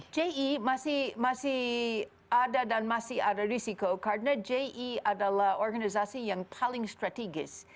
ji masih ada dan masih ada risiko karena ji adalah organisasi yang paling strategis